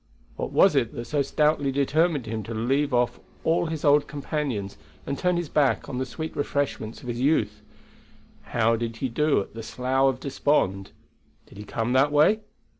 What was it that so stoutly determined him to leave off all his old companions and turn his back on the sweet refreshments of his youth? How did he do at the Slough of Despond? Did he come that way?